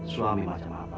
suami macam apa kamu